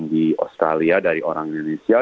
di australia dari orang indonesia